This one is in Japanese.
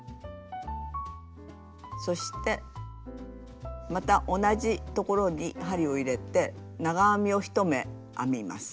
そしてまた同じところに針を入れて長編みを１目編みます。